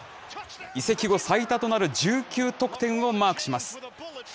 移籍後最多となる１９得点をマークします。